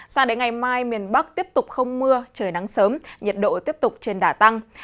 sao đến ngày mai miền bắc tiếp tục không mưa trời nắng sớm nhiệt độ tiếp tục trên đả tăng